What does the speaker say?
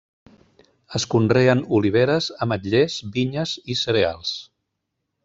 Es conreen oliveres, ametllers, vinyes i cereals.